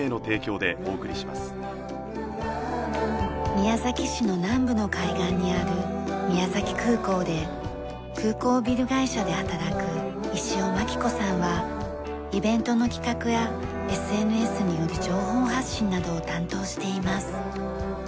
宮崎市の南部の海岸にある宮崎空港で空港ビル会社で働く石尾麻貴子さんはイベントの企画やＳＮＳによる情報発信などを担当しています。